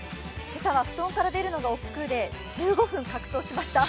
今朝は布団から出るのがおっくうで１５分格闘しました。